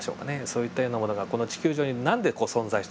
そういったようなものがこの地球上に何で存在しているのかという。